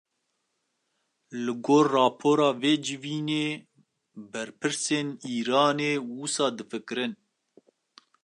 Li gor rapora vê civînê, berpirsên Îranê wiha difikirin